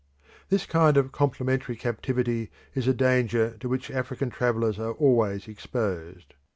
This kind of complimentary captivity is a danger to which African travellers are always exposed.